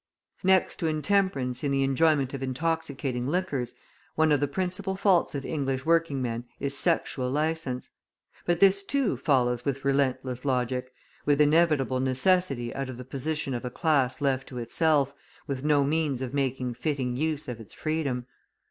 Next to intemperance in the enjoyment of intoxicating liquors, one of the principal faults of English working men is sexual licence. But this, too, follows with relentless logic, with inevitable necessity out of the position of a class left to itself, with no means of making fitting use of its freedom.